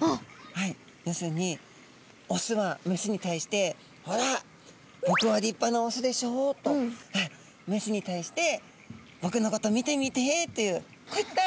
はい要するにオスはメスに対して「ほら僕は立派なオスでしょう」とメスに対して「僕のこと見てみて」というこういったあの。